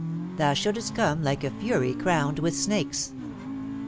THOU SHOULDST COME LIKE A FURY CROWNED WITH SNAKES."